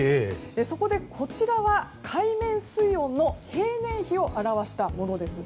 そこで、こちらは海面水温の平年比を表したものです。